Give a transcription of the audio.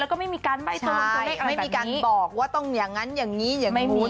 แล้วก็ไม่มีการใบ้ตรงตัวเลขอะไรแบบนี้ใช่ไม่มีการบอกว่าตรงอย่างงั้นอย่างงี้อย่างงู้น